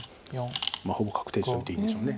まあほぼ確定地と見ていいでしょう。